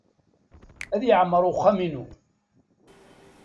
Ad yeɛmer uxxam-inu.